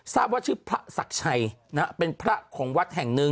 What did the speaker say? ทราบว่าชื่อพระศักดิ์ชัยเป็นพระของวัดแห่งหนึ่ง